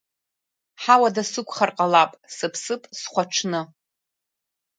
Ҳауада сықәхар ҟалап, сыԥсып схәаҽны!